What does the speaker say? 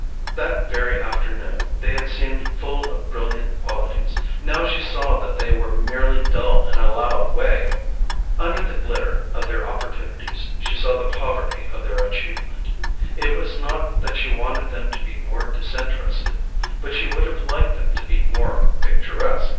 That very afternoon they had seemed full of brilliant qualities; now she saw that they were merely dull in a loud way. Under the glitter of their opportunities she saw the poverty of their achievement. It was not that she wanted them to be more disinterested; but she would have liked them to be more picturesque.